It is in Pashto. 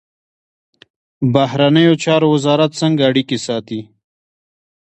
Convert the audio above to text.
بهرنیو چارو وزارت څنګه اړیکې ساتي؟